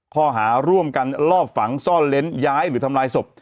ข้อหาร่วมกันลอบฝังซ่อนเล้นย้ายหรือทำลายศพ